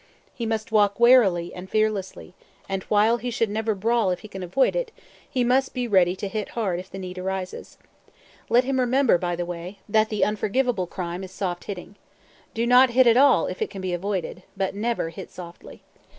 He must walk warily and fearlessly, and while he should never brawl if he can avoid it, he must be ready to hit hard if the need arises. Let him remember, by the way, that the unforgivable crime is soft hitting. Do not hit at all if it can be avoided; but never hit softly.